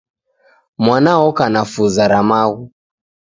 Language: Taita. Mwana oka na fuza ra maghu